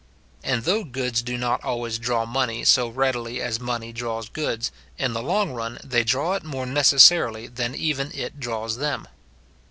And though goods do not always draw money so readily as money draws goods, in the long run they draw it more necessarily than even it draws them.